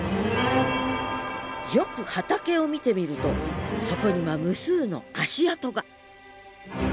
よく畑を見てみるとそこには無数の足跡が。